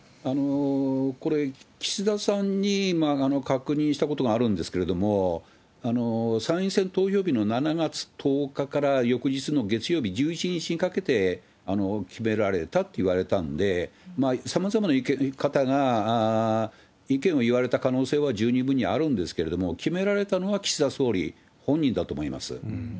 これ、岸田さんに確認したことがあるんですけれども、参院選投票日の７月１０日から翌日の月曜日１１日にかけて決められたと言われたんで、さまざまな方が意見を言われた可能性は十二分にあるんですけれども、決められたのは岸田総理本人だと思います。